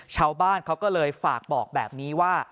ชาวบ้านเขาก็เลยฝากบอกแบบนี้ว่า